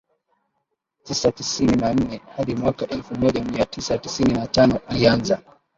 tisa tisini na nne hadi mwaka elfu moja mia tisa tisini na tano alianza